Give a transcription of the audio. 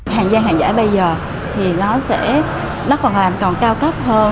hàng gia hàng giải bây giờ thì nó sẽ nó còn làm còn cao cấp hơn